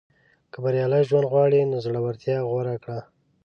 • که بریالی ژوند غواړې، نو زړورتیا غوره کړه.